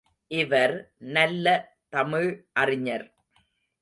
இவர் நல்ல தமிழ் அறிஞர்.